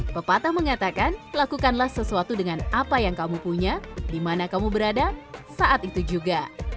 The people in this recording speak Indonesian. pepatah mengatakan lakukanlah sesuatu dengan apa yang kamu punya di mana kamu berada saat itu juga